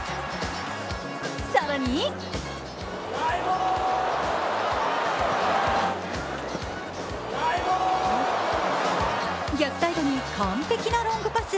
更に逆サイドに完璧なロングパス。